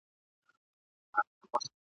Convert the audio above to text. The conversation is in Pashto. انګرېزان د دې جګړې په اړه نه پوهيږي.